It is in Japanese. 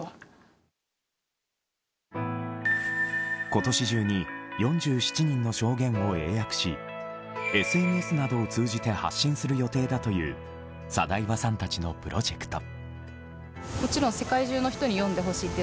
今年中に４７人の証言を英訳しＳＮＳなどを通じて発信する予定だという貞岩さんたちのプロジェクト。